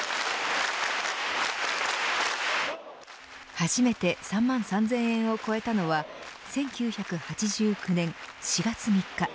初めて３万３０００円を超えたのは１９８９年４月３日。